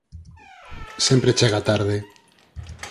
Sempre chega tarde.